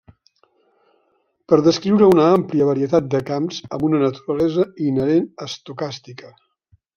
Pot descriure una àmplia varietat de camps amb una naturalesa inherent estocàstica.